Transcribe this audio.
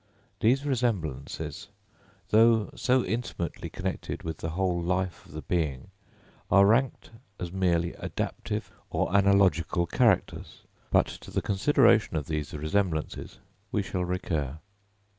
These resemblances, though so intimately connected with the whole life of the being, are ranked as merely "adaptive or analogical characters;" but to the consideration of these resemblances we shall recur.